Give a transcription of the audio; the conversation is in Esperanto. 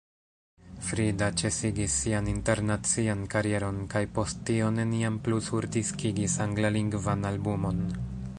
Frida ĉesigis sian internacian karieron kaj post tio neniam plu surdiskigis anglalingvan albumon.